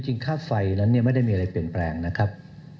ค่าไฟนั้นไม่ได้มีอะไรเปลี่ยนแปลงนะครับ